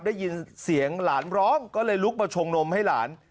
ได้ยินเสียงหลานร้องก็เลยลุกมาชงนมให้หลาน